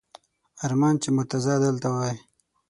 ارمان چې مرتضی دلته وای!